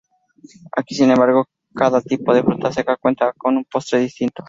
Aquí, sin embargo, cada tipo de fruta seca cuenta como un postre distinto.